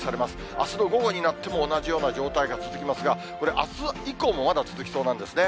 あすの午後になっても、同じような状態が続きますが、これあす以降もまだ続きそうなんですね。